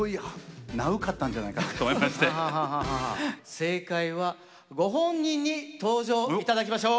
正解はご本人に登場頂きましょう。